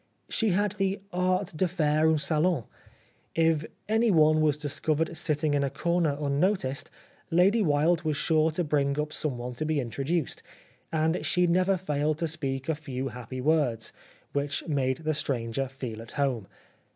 She had the art de /aire un salon. If anyone was discovered sitting in a corner un noticed. Lady Wilde was sure to bring up some one to be introduced, and she never failed to speak a few happy words, which made the 75 The Life of Oscar Wilde stranger feel at home.